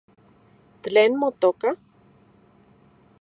¿Tlen motoka?